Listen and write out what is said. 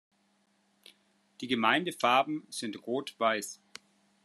Die Gemeindefarben sind Rot-Weiß.